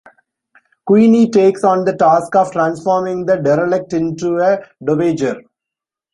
Queenie takes on the task of transforming the derelict into a dowager.